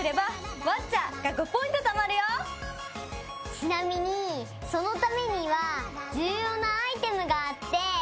ちなみにそのためには重要なアイテムがあって。